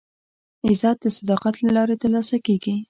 عزت د صداقت له لارې ترلاسه کېږي.